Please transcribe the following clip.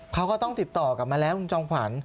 เขาก็ต้องติดต่อกลับมาแล้วคุณจอมขวัญ